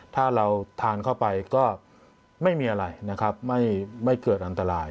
ถ้าเราทานเข้าไปก็ไม่มีอะไรนะครับไม่เกิดอันตราย